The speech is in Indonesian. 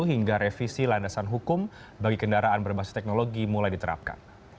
hingga revisi landasan hukum bagi kendaraan berbasis teknologi mulai diterapkan